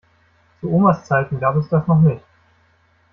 Zu Omas Zeiten gab es das noch nicht.